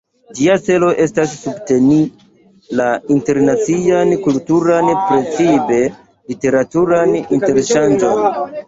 Ĝia celo estas subteni la internacian kulturan, precipe literaturan interŝanĝon.